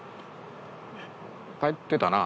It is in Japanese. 帰ってたな。